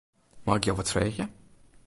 Mei ik jo wat freegje?